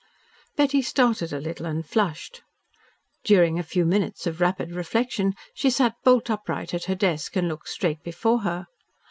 Betty started a little and flushed. During a few minutes of rapid reflection she sat bolt upright at her desk and looked straight before her.